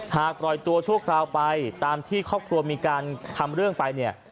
ปล่อยตัวชั่วคราวไปตามที่ครอบครัวมีการทำเรื่องไปเนี่ย